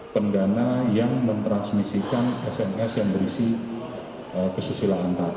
pendana yang mentransmisikan sms yang berisi kesusilaan tadi